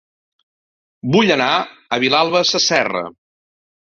Vull anar a Vilalba Sasserra